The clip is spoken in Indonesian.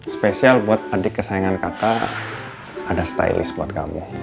spesial buat adik kesayangan kakak ada stylist buat kamu